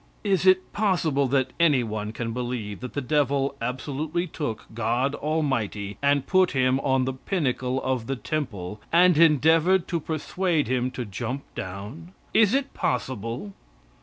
Is it possible that anyone can believe that the devil absolutely took God almighty, and put him on the pinnacle of the temple, and endeavored to persuade him to jump down? Is it possible?